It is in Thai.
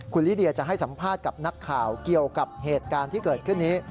คุณลิเดียจะให้สัมภาษณ์กับนักข่าวเกี่ยวกับเหตุการณ์ที่เกิดขึ้นนี้